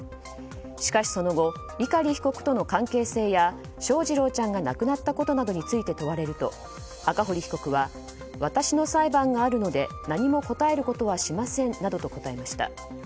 しかし、その後碇被告との関係性や翔士郎ちゃんが亡くなったことなどについて問われると赤堀被告は私の裁判があるので何も答えることはしませんなどと答えました。